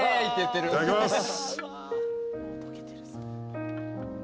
いただきます。